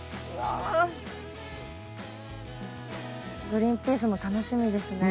グリーンピースも楽しみですね。